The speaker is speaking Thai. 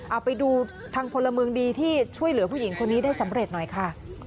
เอาไปดูทางพลเมืองดีที่ช่วยเหลือผู้หญิงคนนี้ได้สำเร็จหน่อยค่ะ